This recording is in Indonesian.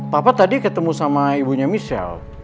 papa tadi ketemu sama ibunya michelle